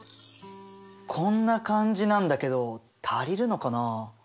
こんな感じなんだけど足りるのかなあ？